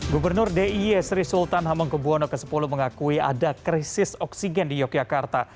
gubernur d i e sri sultan hamengkebuwono x mengakui ada krisis oksigen di yogyakarta